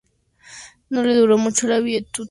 No le duró mucho la viudedad.